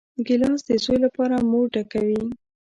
ګیلاس د زوی لپاره مور ډکوي.